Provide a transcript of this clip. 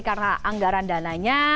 karena anggaran dananya